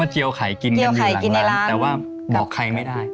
เจียวไข่กินกันอยู่หลังนั้นแต่ว่าบอกใครไม่ได้